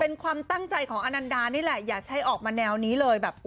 เป็นความตั้งใจของอนันดานี่แหละอย่าใช้ออกมาแนวนี้เลยแบบ